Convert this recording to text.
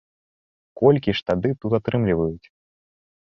Колькі ж тады тут атрымліваюць?